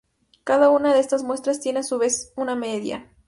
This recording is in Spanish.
Cada una de estas muestras tiene a su vez una media.